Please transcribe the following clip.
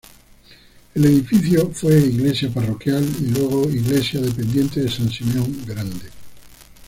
El edificio fue iglesia parroquial y luego iglesia dependiente de San Simeon Grande.